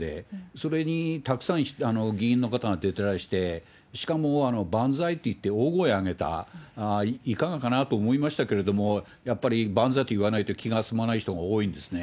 それにたくさん議員の方が出てらして、しかも、ばんざーい！って言って大声上げた、いかがかなと思いましたけれども、やっぱり万歳と言わないと気が済まない人が多いんですね。